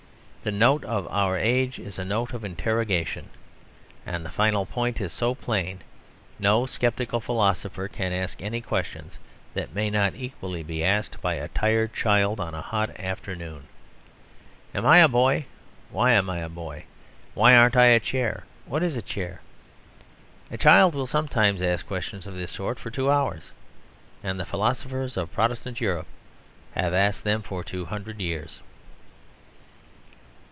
The note of our age is a note of interrogation. And the final point is so plain; no sceptical philosopher can ask any questions that may not equally be asked by a tired child on a hot afternoon. "Am I a boy? Why am I a boy? Why aren't I a chair? What is a chair?" A child will sometimes ask questions of this sort for two hours. And the philosophers of Protestant Europe have asked them for two hundred years.